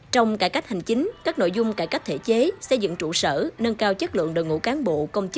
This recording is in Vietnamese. trong cải cách hành chính các nội dung cải cách thể chế xây dựng trụ sở nâng cao chất lượng đồng ngũ cán bộ công chức